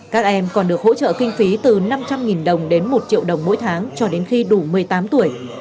các em còn được hỗ trợ kinh phí từ năm trăm linh đồng đến một triệu đồng mỗi tháng cho đến khi đủ một mươi tám tuổi